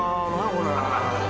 これ。